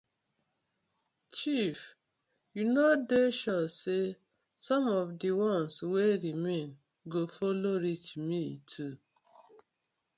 Chief yu no dey sure say som of di ones wey remain do follow reach me too.